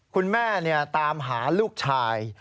คุณแม่เนี่ยตามหาลูกชาย